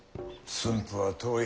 駿府は遠い。